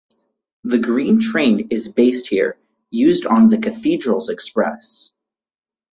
"The Green Train" is based here, used on "The Cathedrals Express".